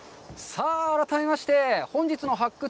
さあ、改めまして、本日の「発掘！